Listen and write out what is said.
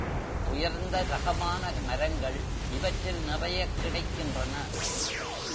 உயர்ந்த ரகமான மரங்கள், இவற்றில் நிறையக் கிடைக்கின்றன.